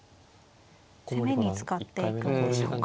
攻めに使っていくんでしょうか。